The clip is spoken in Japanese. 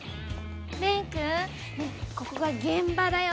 蓮君、ここが現場だよ